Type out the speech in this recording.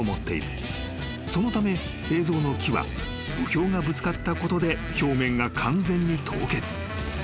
［そのため映像の木は雨氷がぶつかったことで表面が完全に凍結］